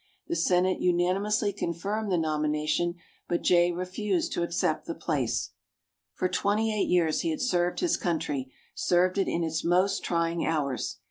The Senate unanimously confirmed the nomination, but Jay refused to accept the place. For twenty eight years he had served his country served it in its most trying hours.